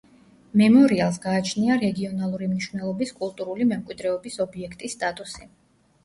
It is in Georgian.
მემორიალს გააჩნია რეგიონალური მნიშვნელობის კულტურული მემკვიდრეობის ობიექტის სტატუსი.